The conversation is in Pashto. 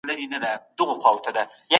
که سوله وي هیواد به اباد سي.